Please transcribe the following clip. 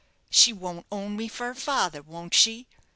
She won't own me for a father, won't she!